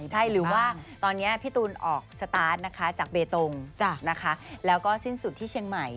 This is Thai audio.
ใช่หรือว่าตอนนี้พี่ตูนออกสตาร์ทนะคะจากเบตงแล้วก็สิ้นสุดที่เชียงใหม่